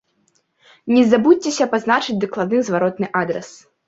Не забудзьцеся пазначыць дакладны зваротны адрас!